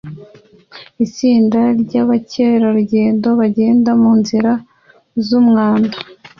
Itsinda ryabakerarugendo bagenda munzira zumwanda